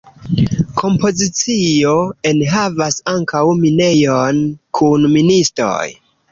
Kompozicio enhavas ankaŭ minejon kun ministoj.